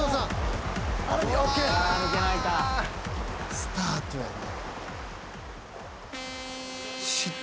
スタートやねん。